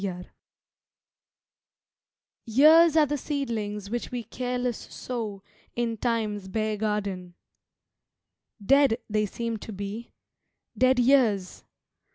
Time's Garden YEARS are the seedlings which we careless sow In Time's bare garden. Dead they seem to be Dead years!